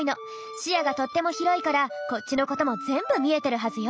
視野がとっても広いからこっちのことも全部見えてるはずよ。